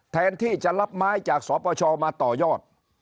แทนที่จะรับไม้จากสปชมาต่อยอด